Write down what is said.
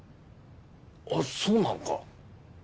あっそうなのか？